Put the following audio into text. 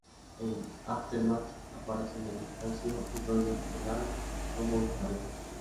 En "Aftermath" aparecen Anastasio y Roger Holloway como guitarristas.